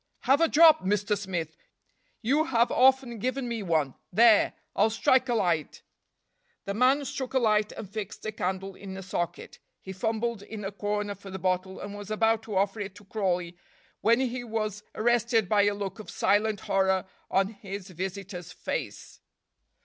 "Have a drop, Mr. Smith; you have often given me one there. I'll strike a light." The man struck a light and fixed a candle in a socket. He fumbled in a corner for the bottle, and was about to offer it to Crawley, when he was arrested by a look of silent horror on his visitor's face.